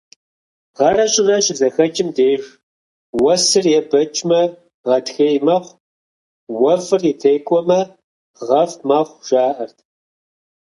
Гъэрэ щӀырэ щызэхэкӀым деж уэсыр ебэкӀмэ гъатхей мэхъу, уэфӀыр текӀуэмэ гъэфӀ мэхъу, жаӀэрт.